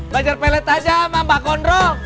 bajar pelet aja sama mbak gondrong